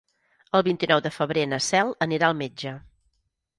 El vint-i-nou de febrer na Cel anirà al metge.